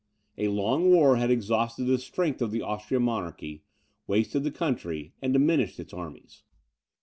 A long war had exhausted the strength of the Austrian monarchy, wasted the country, and diminished its armies.